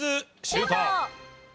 シュート！